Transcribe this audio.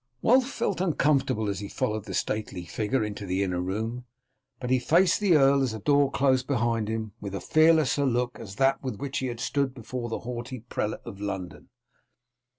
Wulf felt uncomfortable as he followed the stately figure into the inner room, but he faced the Earl as the door closed behind him with as fearless a look as that with which he had stood before the haughty prelate of London.